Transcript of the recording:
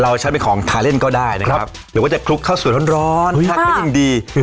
เราใช้เป็นของทาเล่นก็ได้นะครับครับหรือว่าจะคลุกเข้าส่วนร้อนร้อนอุ้ยถ้าไม่ยิ่งดี